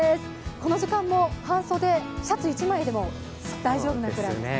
この時間も半袖、シャツ１枚でも大丈夫なくらいですね。